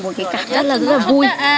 một cái cảm giác rất là vui